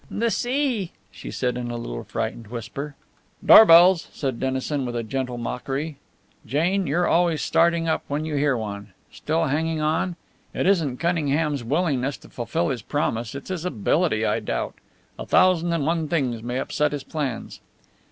"The sea!" she said in a little frightened whisper. "Doorbells!" said Dennison with gentle mockery. "Jane, you're always starting up when you hear one. Still hanging on? It isn't Cunningham's willingness to fulfill his promise; it's his ability I doubt. A thousand and one things may upset his plans."